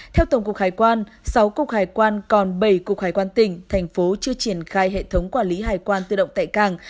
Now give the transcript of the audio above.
theo tổng cục hải quan sáu cục hải quan còn bảy cục hải quan tỉnh thành phố chưa triển khai hệ thống quản lý hải quan tự động tại cảng